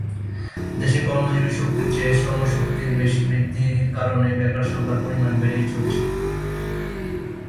দেশে কর্মজীবী শক্তির চেয়ে শ্রমশক্তির বেশি বৃদ্ধির কারণে বেকার সংখ্যার পরিমাণ বেড়েই চলেছে।